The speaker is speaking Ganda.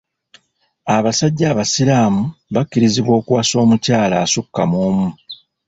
Abasajja abasiraamu bakkirizibwa okuwasa omukyala asukka mu omu.